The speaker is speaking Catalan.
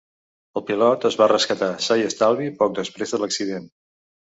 El pilot es va rescatar sa i estalvi poc després de l'accident.